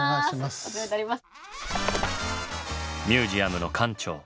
お世話になります。